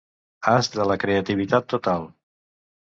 As de la creativitat total.